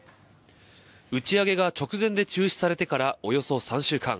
打ち上げが直前で中止されてからおよそ３週間。